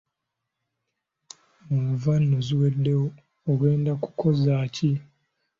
Enva nno ziweddewo ogenda kukozaaki?